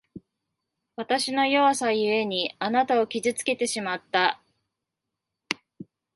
わたしの弱さゆえに、あなたを傷つけてしまった。